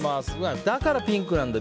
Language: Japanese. だからピンクなんだ。